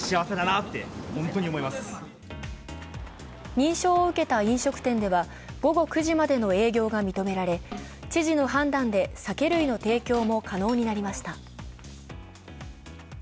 認証を受けた飲食店では午後９時までの営業が認められ知事の判断で酒類の提供も可能になりました。